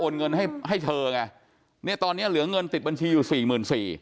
เงินให้เธอไงตอนนี้เหลือเงินติดบัญชีอยู่๔๔๐๐๐